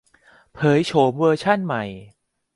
เผยโฉมเวอร์ชั่นใหม่